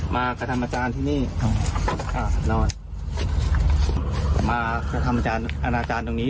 มากระทำอาจารย์ที่นี่อ่านอนมากระทำอาจารย์ตรงนี้